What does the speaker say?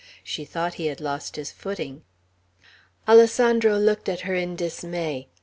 She thought he had lost his footing. Alessandro looked at her in dismay.